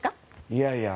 いやいや。